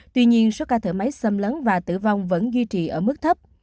tuy nhiên số ca thở máy xâm lấn và tử vong vẫn duy trì ở mức thấp